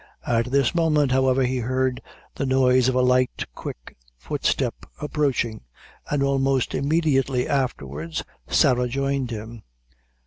At this moment, however, he heard the noise of a light, quick footstep approaching, and almost immediately afterwards Sarah joined him.